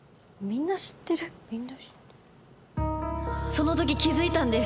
その時気付いたんです